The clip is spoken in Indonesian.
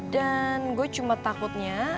dan gue cuma takutnya